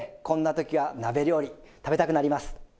こんな時は鍋料理食べたくなります。